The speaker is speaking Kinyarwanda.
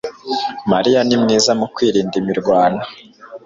mariya ni mwiza mu kwirinda imirwano